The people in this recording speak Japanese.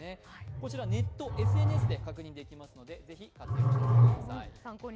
こちらネット、ＳＮＳで確認できますのでぜひ活用してみてください。